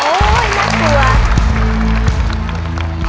โอ้ยน่าเกลือ